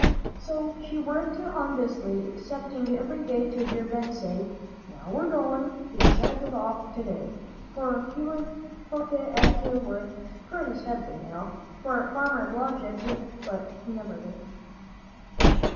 So she worked on busily, expecting every day to hear Ben say, "Now we're goin' to set it off to day," for he was at work pretty steadily now, for Farmer Blodgett. But he never did.